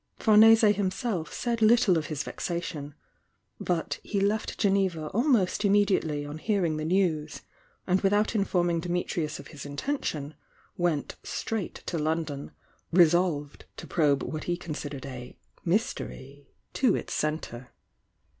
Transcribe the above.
Famese himself said little of his vexation, — but he left Geneva almost immediately on hearing the news, and without informing Dimitrius of his inten tion, went straight to London, resolved to probe what he considered a "mystery" to its centre.